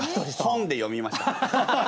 本で読みました。